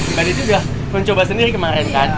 anambas ini sudah mencoba sendiri kemarin kan